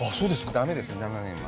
だめです、７年は。